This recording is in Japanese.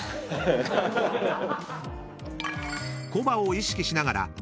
［小刃を意識しながら］